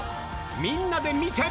みんなで見て！